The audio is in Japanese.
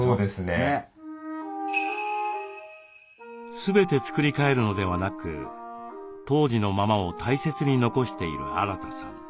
全て作り変えるのではなく当時のままを大切に残しているアラタさん。